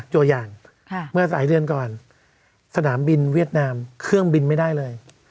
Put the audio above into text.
ตัวอย่างเมื่อสายเดือนก่อนสนามบินเวียดนามเครื่องบินไม่ได้เลย